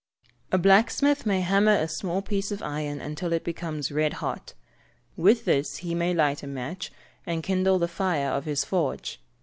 A blacksmith may hammer a small piece of iron until it becomes red hot. With this he may light a match, and kindle the fire of his forge.